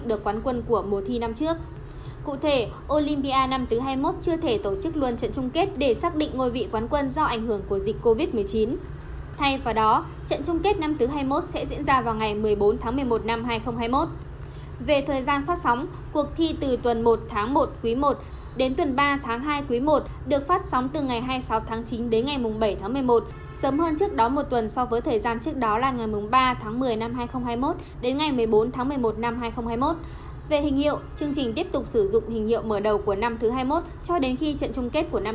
được công chiếu vào năm hai nghìn một